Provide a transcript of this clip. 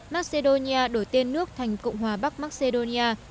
macedonia đổi tên nước thành cộng hòa bắc macedonia